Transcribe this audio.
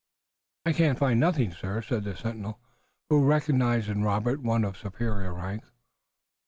"I can find nothing, sir," said the sentinel, who recognized in Robert one of superior rank.